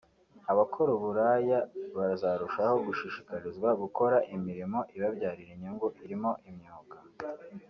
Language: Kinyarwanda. Abakora uburaya bazarushaho gushishikarizwa gukora imirimo ibabyarira inyungu irimo imyuga